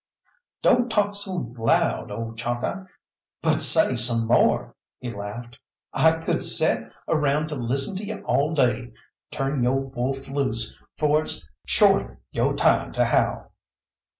"Don't talk so loud, ole Chalkeye, but say some more!" he laughed. "I could set around to listen to you all day. Turn yo' wolf loose, for it's shorely yo' time to howl."